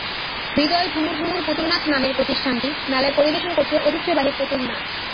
হৃদয় ঝুমুর ঝুমুর পুতুলনাচ নামের প্রতিষ্ঠানটি মেলায় পরিবেশন করছে ঐতিহ্যবাহী পুতুলনাচ।